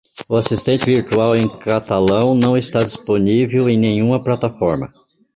O assistente virtual em catalão não está disponível em nenhuma plataforma.